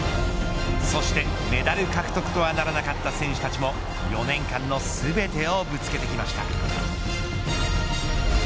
そしてメダル獲得とはならなかった選手たちも４年間の全てをぶつけてきました。